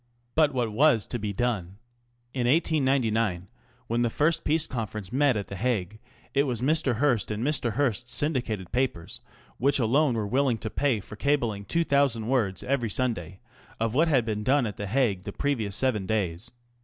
But what was to be done? In 1899, when the first Peace Conference met at the Hague, it was Mr. Hearst and Mr. Hearst's syndicated papers which alone were willing to pay for cabling 2,000 words every Sunday of what had been done at the Hague the previous seven days.